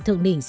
thượng đỉnh c